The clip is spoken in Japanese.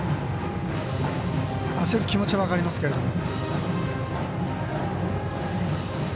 焦る気持ちは分かりますけども。